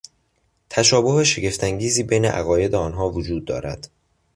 تشابه شگفتانگیزی بین عقاید آنها وجود دارد.